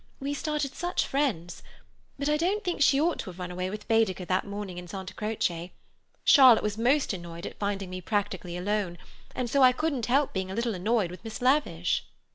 We started such friends. But I don't think she ought to have run away with Baedeker that morning in Santa Croce. Charlotte was most annoyed at finding me practically alone, and so I couldn't help being a little annoyed with Miss Lavish."